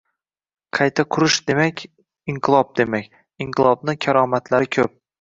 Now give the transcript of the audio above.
— Qayta qurish demak — inqilob demak. Inqilobni karomatlari ko‘p.